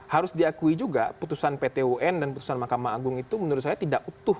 harus diakui juga putusan pt un dan putusan mahkamah agung itu menurut saya tidak utuh